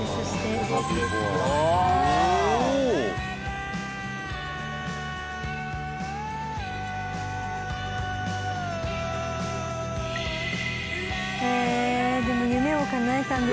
でも夢をかなえたんですね。